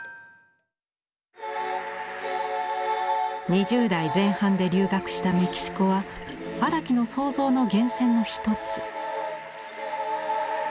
２０代前半で留学したメキシコは荒木の創造の源泉の一つ。